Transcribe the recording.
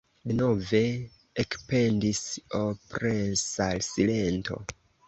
Denove ekpendis opresa silento.